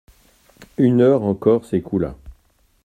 Une heure encore s'écoula.